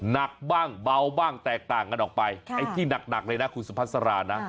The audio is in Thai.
หนักบ้างเบาบ้างแตกต่างกันออกไปไอ้ที่หนักเลยนะคุณสุภาษานะ